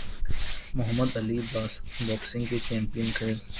محمد Ali boxing کے champion تھے